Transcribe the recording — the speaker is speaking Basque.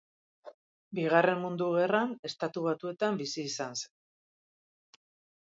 Bigarren Mundu Gerran Estatu Batuetan bizi izan zen.